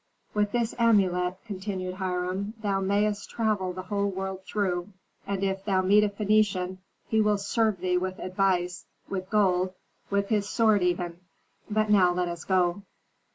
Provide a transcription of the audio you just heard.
"With this amulet," continued Hiram, "thou mayst travel the whole world through, and if thou meet a Phœnician he will serve thee with advice, with gold, with his sword even. But now let us go."